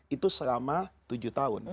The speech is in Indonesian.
itu selama tujuh tahun